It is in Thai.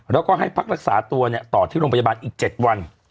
แล้วก็ให้พักรักษาตัวต่อที่โรงพยาบาลอีก๗วัน